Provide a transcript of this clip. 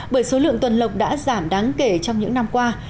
bởi số lượng tuần lộc đã giảm đáng kể trong những năm qua